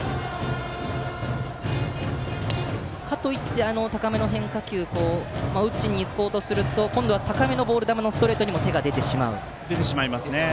かといって高めの変化球を打ちに行こうとすると今度は高めのボール球にもストレートにも手が出てしまうと。